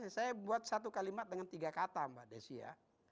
saya buat satu kalimat dengan tiga kata mbak desi ya